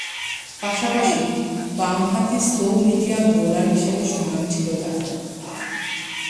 পাশাপাশি, বামহাতি slow-medium bowler হিসেবে সুনাম ছিল তার।